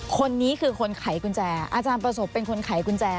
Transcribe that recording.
คนนี้คือคนไขกุญแจอาจารย์ประสบเป็นคนไขกุญแจ